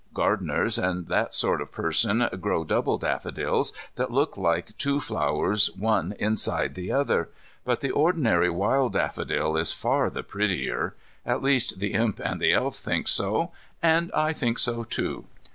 Gardeners, and that sort of person grow double daffodils that look like two flowers one inside the other, but the ordinary wild daffodil is far the prettier. At least the Imp and the Elf think so, and I think so, too.